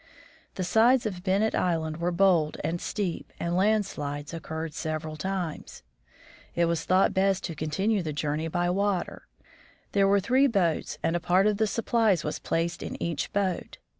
The sides of Ben nett island were bold and steep, and landslides occurred several times. . It was thought best to continue the journey by water. There were three boats, and a part of the supplies was placed in each boat.